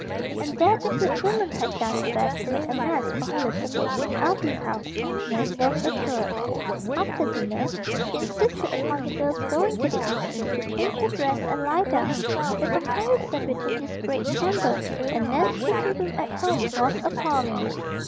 And that the good woman had done her best to make a nest for her little niece in the ugly house, Nan was assured. After dinner she insisted upon the girl's going to the east room to change her dress and lie down. The comparison between this great chamber and Nan's pretty room at home was appalling.